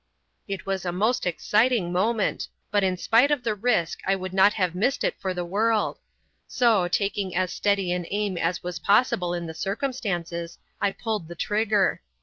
It was a most exciting moment, but in spite of the risk I would not have missed it for the world; so, taking as steady an aim as was possible in the circumstances, I pulled the trigger.